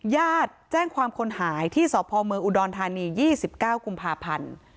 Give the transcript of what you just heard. ญาติแจ้งความคนหายที่สพเมืองอุดรธานี๒๙กุมภาพันธ์